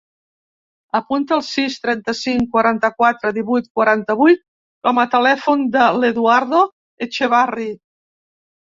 Apunta el sis, trenta-cinc, quaranta-quatre, divuit, quaranta-vuit com a telèfon de l'Eduardo Echavarri.